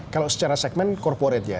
kalau secara segmen corporat ya